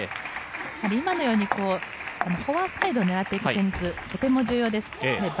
今のようにファーサイドを狙っていくセンス、非常に重要です。